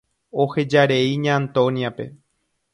Ohejarei Ña Antonia-pe.